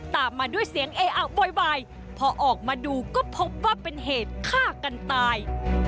ตามมาด้วยเสียงเออะโวยวายพอออกมาดูก็พบว่าเป็นเหตุฆ่ากันตาย